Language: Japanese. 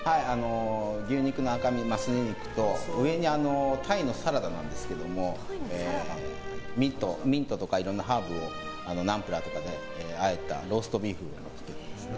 牛肉の赤身のすね肉と上に、タイのサラダなんですけどミントとかいろんなハーブをナンプラーであえたローストビーフ。